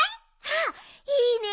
あっいいね！